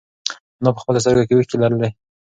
انا په خپلو سترگو کې اوښکې لرلې.